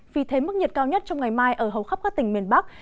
vì thế mức nhiệt cao nhất trong ngày mai ở hầu khắp các tỉnh miền bắc